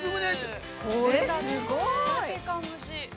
◆これ、すごーい！